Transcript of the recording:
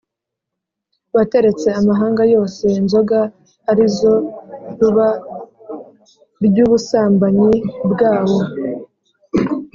wateretse amahanga yose inzoga arizo ruba ry‟ubusambanyi bwawo.